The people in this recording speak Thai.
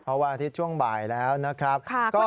เพราะว่าอาทิตย์ช่วงบ่ายแล้วนะครับ